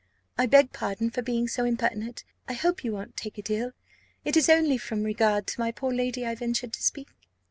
I beg pardon for being so impertinent: I hope you won't take it ill, it is only from regard to my poor lady I ventured to speak."